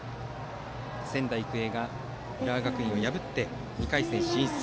仙台育英が浦和学院を破って２回戦進出。